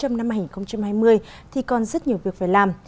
mà hai nghìn hai mươi thì còn rất nhiều việc phải làm